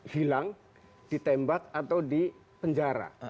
hilang ditembak atau dipenjara